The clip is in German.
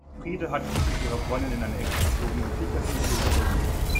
Frida hatte sich mit ihrer Freundin in eine Ecke verzogen und kicherte mit ihr über irgendwas.